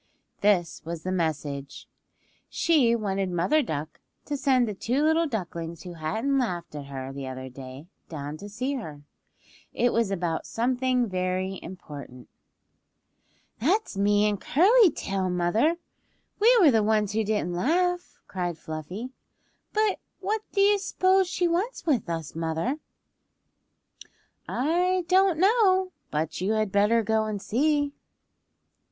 This was the message. She wanted Mother Duck to send the two little ducklings who hadn't laughed at her the other day down to see her. It was about something very important. "That's me and Curly Tail, mother! We were the ones who didn't laugh," cried Fluffy. "But what do you s'pose she wants with us, mother?" "I don't know, but you had better go and see."